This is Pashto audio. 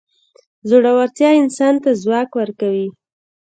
زړورتیا انسان ته ځواک ورکوي.